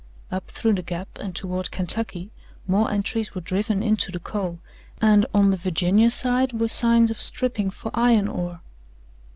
Up through the Gap and toward Kentucky, more entries were driven into the coal, and on the Virginia side were signs of stripping for iron ore.